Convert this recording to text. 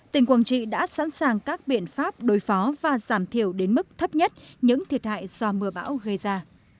tỉnh quảng trị đã sẵn sàng các biện pháp đối phó và giảm thiểu đến mức thấp nhất những thiệt hại do mưa bão gây ra